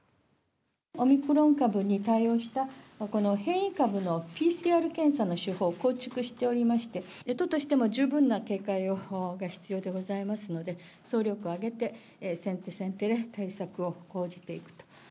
オミクロン株に対応した、この変異株のＰＣＲ検査の手法を構築しておりまして、都としても十分な警戒が必要でございますので、総力を挙げて先手先手で対策を講じていくと。